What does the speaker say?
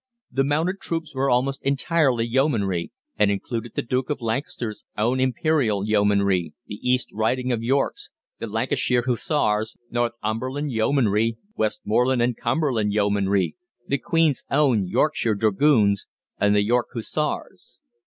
The mounted troops were almost entirely Yeomanry, and included the Duke of Lancaster's Own Imperial Yeomanry, the East Riding of Yorks, the Lancashire Hussars, Northumberland Yeomanry, Westmorland and Cumberland Yeomanry, the Queen's Own Yorkshire Dragoons, and the York Hussars.